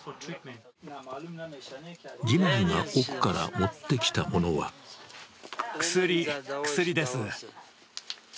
次男が奥から持ってきたものは薬、薬です。